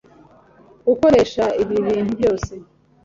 Ukoresha ibi bintu byose?